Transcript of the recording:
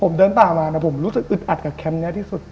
ผมเดินตามมานะผมรู้สึกอึดอัดกับแคมป์นี้ที่สุด